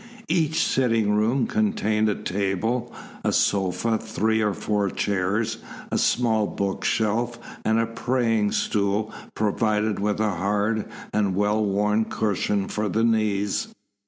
Each sitting room contained a table, a sofa, three or four chairs, a small book shelf, and a praying stool provided with a hard and well worn cushion for the knees.